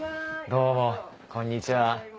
どうもこんにちは。